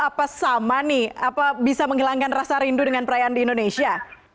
apa sama nih apa bisa menghilangkan rasa rindu dengan perayaan di indonesia